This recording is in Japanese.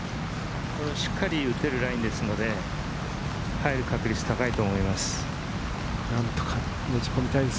これはしっかり打てるラインですので、入る確率が高いと思います。